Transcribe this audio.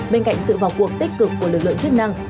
bên cạnh sự vào cuộc tích cực của lực lượng chức năng